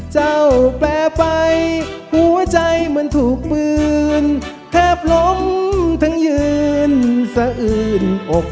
เจ้าแปลไปหัวใจมันถูกปืน